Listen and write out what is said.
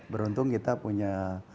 beruntung kita punya